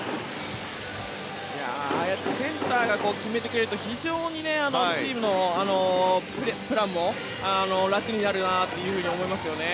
センターが決めてくれると非常にチームのプランも楽になるなというふうに思いますよね。